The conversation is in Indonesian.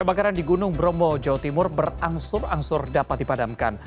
kebakaran di gunung bromo jawa timur berangsur angsur dapat dipadamkan